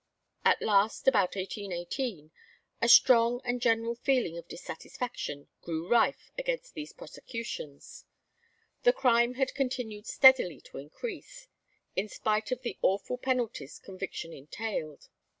At last, about 1818, a strong and general feeling of dissatisfaction grew rife against these prosecutions. The crime had continued steadily to increase, in spite of the awful penalties conviction entailed.